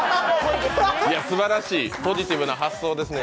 すばらしいポジティブな発想ですね。